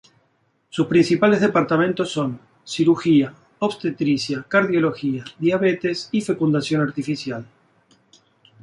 Sus principales departamentos són: cirugía, obstetricia, cardiología, diabetes y fecundación artificial.